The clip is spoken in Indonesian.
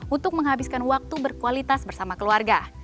untuk menghabiskan waktu berkualitas bersama keluarga